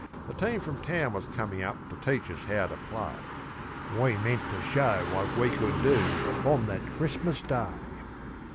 A team from town was coming up to teach us how to play We meant to show what we could do upon that Christmas Day.